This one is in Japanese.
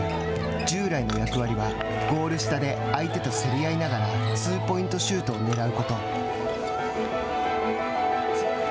従来の役割はゴール下で相手と競り合いながらツーポイントシュートをねらうこと。